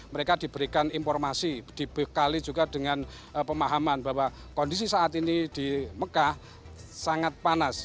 mereka diberikan informasi dibekali juga dengan pemahaman bahwa kondisi saat ini di mekah sangat panas